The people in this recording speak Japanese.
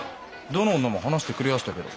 どの女も話してくれやしたけど。